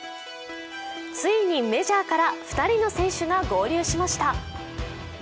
ついにメジャーから２人の選手が合流しました。